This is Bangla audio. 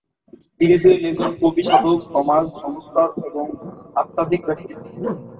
তিনি ছিলেন একজন কবি-সাধক, সমাজ সংস্কারক এবং আধ্যাত্মিক ব্যক্তিত্ব।